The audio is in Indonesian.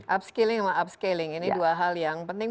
upskilling sama upscaling ini dua hal yang penting